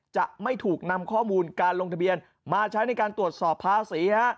จะไม่ถูกนำข้อมูลการลงทะเบียนมาใช้ในการตรวจสอบภาษี